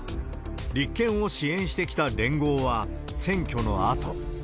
立憲を支援してきた連合は、選挙のあと。